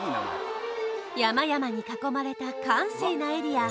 山々に囲まれた閑静なエリア